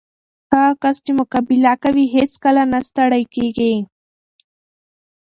هغه کس چې مقابله کوي، هیڅکله نه ستړی کېږي.